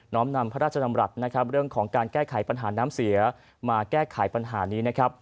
้อมนำพระราชดำรัฐนะครับเรื่องของการแก้ไขปัญหาน้ำเสียมาแก้ไขปัญหานี้นะครับ